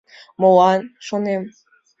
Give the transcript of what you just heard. Молат, шонем.